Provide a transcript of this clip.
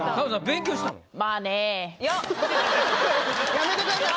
やめてください